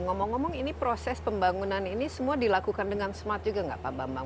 ngomong ngomong ini proses pembangunan ini semua dilakukan dengan smart juga nggak pak bambang